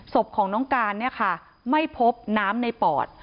ศพของน้องการเนี่ยค่ะไม่พบน้ำในปอด